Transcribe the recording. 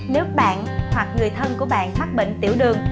nếu bạn hoặc người thân của bạn mắc bệnh tiểu đường